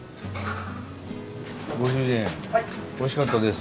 ご主人おいしかったです。